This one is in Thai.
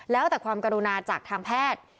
แล้วแต่ความกรุณาจากทางแพทย์